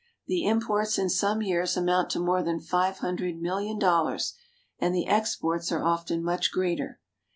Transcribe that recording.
The im ports in some years amount to more than five hundred mil lion dollars, and the exports are often much greater.